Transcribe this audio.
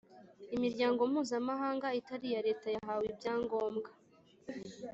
Imiryango mpuzamahanga itari iya Leta yahawe ibyangombwa